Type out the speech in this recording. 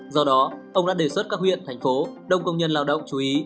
do đó ông đã đề xuất các huyện thành phố đông công nhân lao động chú ý